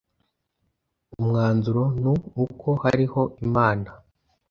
umwanzuro nu uko hariho Imana